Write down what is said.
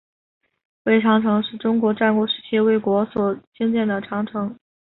魏长城是中国战国时期魏国所兴建的长城。